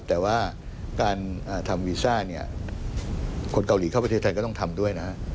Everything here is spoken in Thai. แต่ว่าการทำวีซ่าเนี่ยคนเกาหลีเข้าประเทศไทยก็ต้องทำด้วยนะ